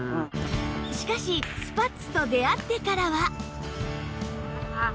しかしスパッツと出会ってからは